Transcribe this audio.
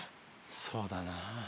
そうだな。